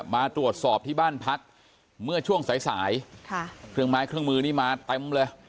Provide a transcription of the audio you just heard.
มาตรวจสอบที่บ้านพักเมื่อช่วงสายสายเครื่องไม้เครื่องมือนี่มาเต็มเลย